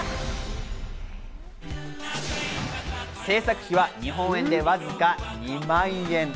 制作費は日本円でわずか２万円。